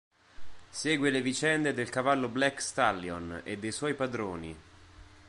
Segue le vicende del cavallo Black Stallion e dei suoi padroni.